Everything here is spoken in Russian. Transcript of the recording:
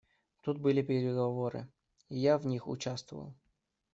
Тут были переговоры, и я в них участвовал.